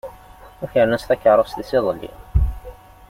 Ukren-as takeṛṛust-is iḍelli.